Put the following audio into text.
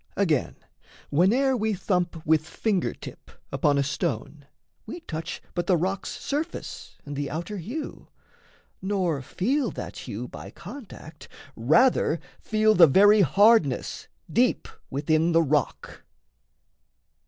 Again, whene'er we thump With finger tip upon a stone, we touch But the rock's surface and the outer hue, Nor feel that hue by contact rather feel The very hardness deep within the rock.